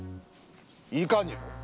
いかにも。